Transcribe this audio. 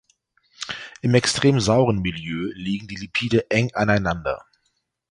Im extrem sauren Milieu liegen die Lipide eng aneinander.